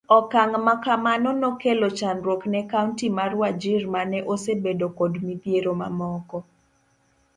Okang' makamano nokelo chandruok ne Kaunti mar Wajir mane osebedo kod midhiero mamoko.